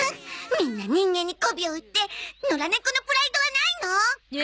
みんな人間にこびを売って野良猫のプライドはないの？